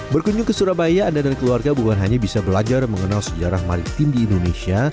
berkunjung ke surabaya anda dan keluarga bukan hanya bisa belajar mengenal sejarah maritim di indonesia